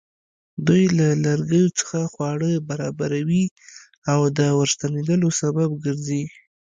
دوی له لرګیو څخه خواړه برابروي او د ورستېدلو سبب ګرځي.